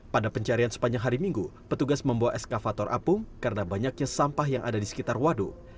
pada pencarian sepanjang hari minggu petugas membawa eskavator apung karena banyaknya sampah yang ada di sekitar waduk